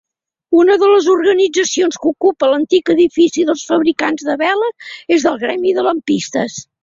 Una de les organitzacions que ocupa l'antic edifici dels fabricants de veles es el gremi de lampistes.